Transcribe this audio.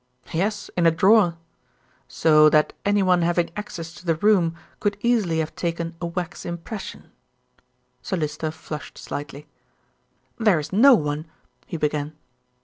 "Yes, in a drawer." "So that anyone having access to the room could easily have taken a wax impression." "Sir Lyster flushed slightly. "There is no one " he began.